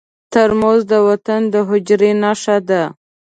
ترموز د وطن د حجرې نښه ده.